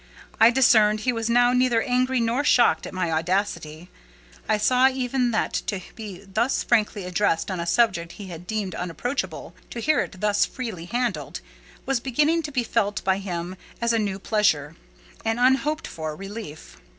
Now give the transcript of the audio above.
I discerned he was now neither angry nor shocked at my audacity. I saw even that to be thus frankly addressed on a subject he had deemed unapproachable—to hear it thus freely handled—was beginning to be felt by him as a new pleasure—an unhoped for relief.